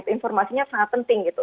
informasinya sangat penting gitu